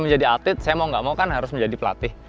menjadi atlet saya mau gak mau kan harus menjadi pelatih